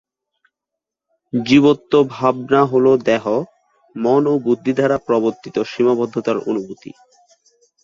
জীবত্ব-ভাবনা হল দেহ, মন ও বুদ্ধি দ্বারা প্রবর্তিত সীমাবদ্ধতার অনুভূতি।